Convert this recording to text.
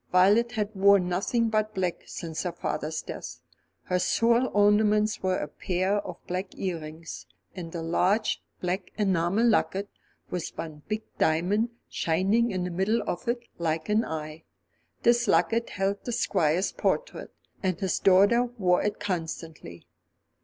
Violet had worn nothing but black since her father's death. Her sole ornaments were a pair of black earrings, and a large black enamel locket, with one big diamond shining in the middle of it, like an eye. This locket held the Squire's portrait, and his daughter wore it constantly.